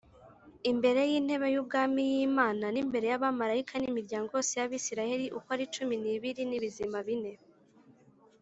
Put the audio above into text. imbere y’intebe y’ubwami y’Imana n’imbere y’amarayika n’imiryango yose y’abayisiraheri uko ari cumi n’ibiri n’ibizima bine.